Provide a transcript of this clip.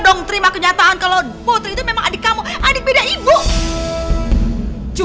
dong terima kenyataan kalau putri itu memang adik kamu adik beda ibu